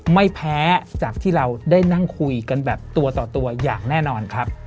ไม่แพ้จากที่เราได้นั่งคุยกันแบบตัวต่อตัวอย่างแน่นอนครับ